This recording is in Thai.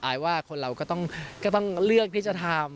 ว่าคนเราก็ต้องเลือกที่จะทำ